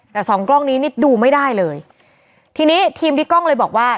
แต่สองกล้องนี้นี่ดูไม่ได้เลยทีนี้ทีมบิ๊กกล้องเลยบอกว่า